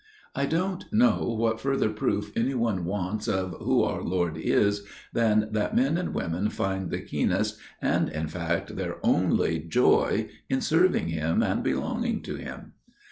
I don't know what further proof any one wants of Who our Lord is than that men and women find the keenest, and in fact their only joy, in serving Him and belonging to Him.